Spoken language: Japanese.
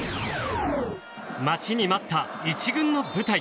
待ちに待った１軍の舞台。